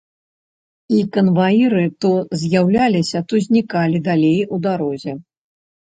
І канваіры то з'яўляліся, то знікалі далей у дарозе.